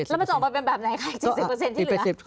แล้วมันจะออกมาเป็นแบบไหนครับ๗๐เปอร์เซ็นต์ที่เหลือ